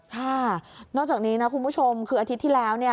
ค่ะนอกจากนี้นะคุณผู้ชมคืออาทิตย์ที่แล้วเนี่ย